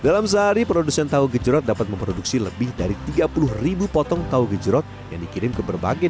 dalam sehari produsen tahu gejrot dapat memproduksi lebih dari tiga puluh ribu potong tahu gejrot yang di kinerjakan di manila